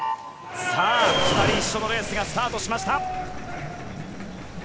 さぁ、２人一緒のレースがスタートしました。